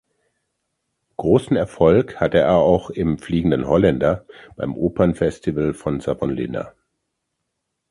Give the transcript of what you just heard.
Großen Erfolg hatte er auch im "Fliegenden Holländer" beim Opernfestival von Savonlinna.